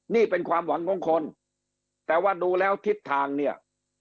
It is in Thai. นี่เป็นความหวังของคนแต่ว่าดูแล้วทิศทางเนี่ย